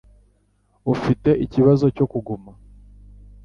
Ufite ikibazo cyo kuguma